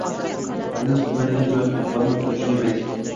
Yana suv qo‘yadigan joy qolmabti, shuniyam ayt.